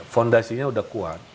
fondasinya udah kuat